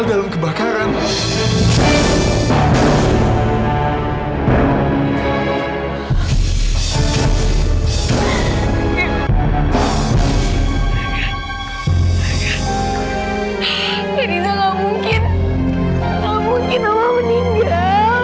gak mungkin gak mungkin oma meninggal